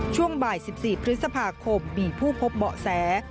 ช่วงบ่าย๑๔พฤษภาคมมีผู้พบเบาะแส